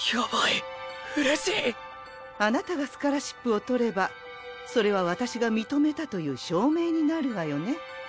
あなたがスカラシップを取ればそれは私が認めたという証明になるわよね。